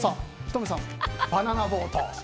仁美さん、バナナボート。